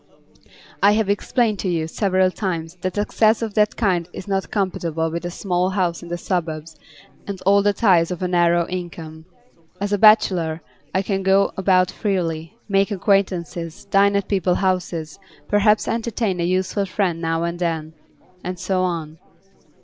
'I have explained to you several times that success of that kind is not compatible with a small house in the suburbs and all the ties of a narrow income. As a bachelor, I can go about freely, make acquaintances, dine at people's houses, perhaps entertain a useful friend now and then and so on.